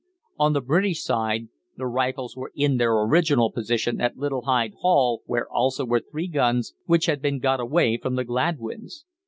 On the British side the Rifles were in their original position at Little Hyde Hall where also were three guns, which had been got away from Gladwyns.